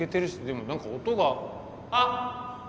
でも何か音があっ！